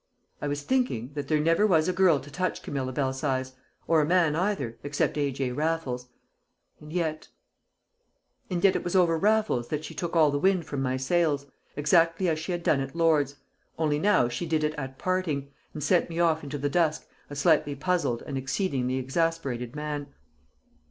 I was thinking that there never was a girl to touch Camilla Belsize, or a man either except A. J. Raffles! And yet And yet it was over Raffles that she took all the wind from my sails, exactly as she had done at Lord's, only now she did it at parting, and sent me off into the dusk a slightly puzzled and exceedingly exasperated man.